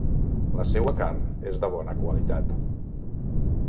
La seua carn és de bona qualitat.